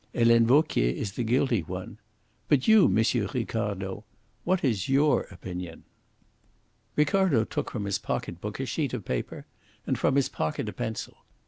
Helene Vauquier is the guilty one. But you, M. Ricardo? What is your opinion?" Ricardo took from his pocket book a sheet of paper and from his pocket a pencil.